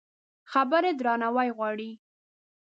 خبرې درناوی غواړي.